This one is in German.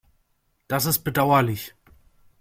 Das ist bedauerlich.